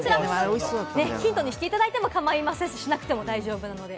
ヒントにしていただいても構いませんし、なくても大丈夫です。